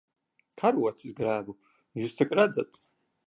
Karotes grebu. Jūs tak redzat.